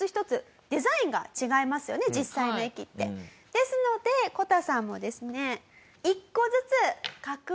ですのでこたさんもですね。